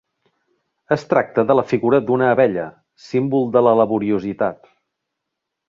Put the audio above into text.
Es tracta de la figura d'una abella, símbol de la laboriositat.